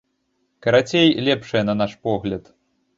Карацей, лепшае на наш погляд.